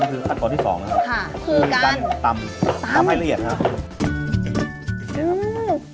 นี่คือขั้นตอนที่๒นะครับคือการตำให้ละเอียดนะครับ